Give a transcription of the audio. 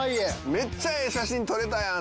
めっちゃええ写真撮れたやん！